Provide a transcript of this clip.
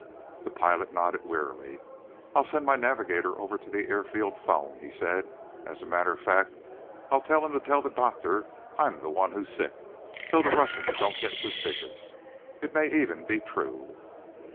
The pilot nodded wearily. "I'll send my navigator over to the airfield phone," he said. "As a matter of fact, I'll tell him to tell the doctor I'm the one who's sick, so the Russians don't get suspicious. It may even be true."